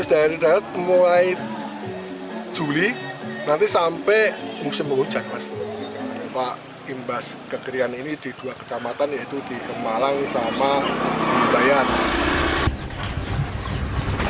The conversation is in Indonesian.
starischeit mulai juli nanti sampai usip hujan burra imbas kekeringan ini jadi taman taman yaitu